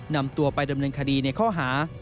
นำตัวไปดำเนินคดีในข้อหา